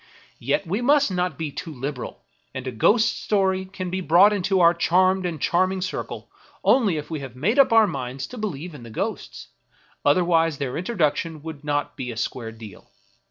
Yet we must not be too liberal ; and a ghost story can be brought into our charmed and charming circle only if we have made up our minds to believe in the ghosts ; other wise their introduction would not be a square deal.